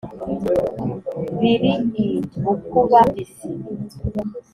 biri i bukuba-mbisi